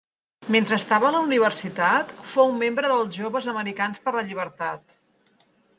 Mentre estava a la universitat, fou membre dels Joves Americans per la Llibertat.